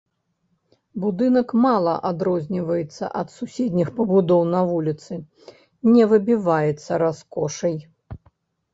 Будынак мала адрозніваецца ад суседніх пабудоў на вуліцы, не выбіваецца раскошай.